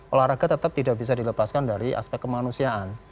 olahraga tetap tidak bisa dilepaskan dari aspek kemanusiaan